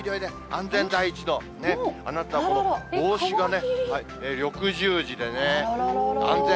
安全第一のね、あなた、この帽子がね、緑十字でね。